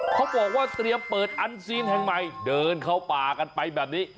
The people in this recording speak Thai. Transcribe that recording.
เขาบอกว่าเตรียมเปิดอันซีนแห่งใหม่เดินเข้าป่ากันไปแบบนี้